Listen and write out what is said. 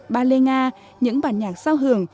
ba lê nga những bản nhạc sao hưởng